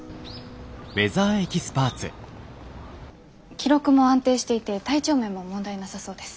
記録も安定していて体調面も問題なさそうです。